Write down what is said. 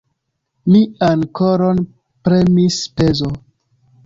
Mian koron premis pezo.